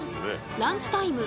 ランチタイム